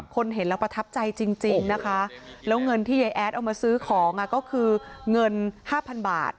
เห็นแล้วประทับใจจริงนะคะแล้วเงินที่ยายแอดเอามาซื้อของก็คือเงิน๕๐๐๐บาท